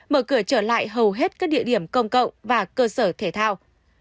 mở cửa trở lại hầu hết các địa điểm công cộng và các trường học